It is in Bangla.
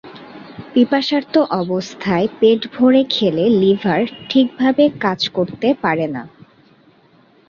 পিপাসার্ত অবস্থায় পেট ভরে খেলে লিভার ঠিকভাবে কাজ করতে পারে না।